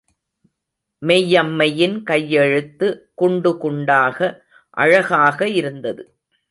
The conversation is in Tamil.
மெய்யம்மையின் கையெழுத்து குண்டு குண்டாக அழகாக இருந்தது.